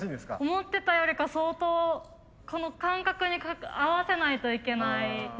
思ってたよりか相当この間隔に合わせないといけないですね。